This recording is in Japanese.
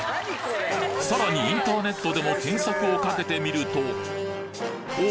さらにインターネットでも検索をかけてみるとお！